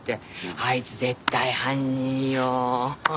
あいつ絶対犯人よ。